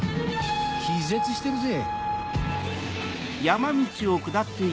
気絶してるぜ。